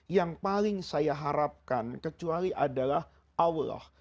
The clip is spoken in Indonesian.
yang paling saya harapkan kecuali adalah allah